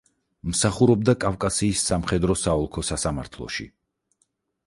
მსახურობდა კავკასიის სამხედრო საოლქო სასამართლოში.